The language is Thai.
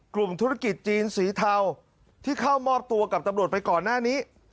กลุ่มธุรกิจจีนสีเทาที่เข้ามอบตัวกับตำรวจไปก่อนหน้านี้